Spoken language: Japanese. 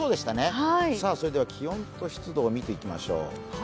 それでは気温と湿度を見ていきましょう。